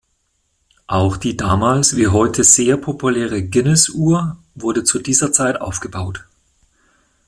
Auch die damals wie heute sehr populäre "Guinness-Uhr" wurde zu dieser Zeit aufgebaut.